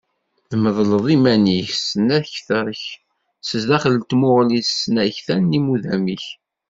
Tedleḍ iman-ik d tesnakta-k sdaxel n tmuɣli d tesnakta n yiwudam-ik.